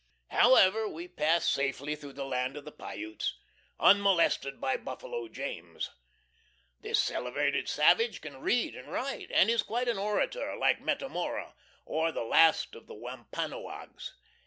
.... However, we pass safely through the land of the Piutes, unmolested by Buffalo James. This celebrated savage can read and write, and is quite an orator, like Metamora, or the last of the Wampanoags.